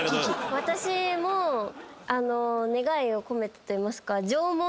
私も願いを込めてといいますか。